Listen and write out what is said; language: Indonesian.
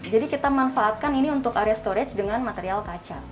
jadi kita manfaatkan ini untuk area storage dengan material kaca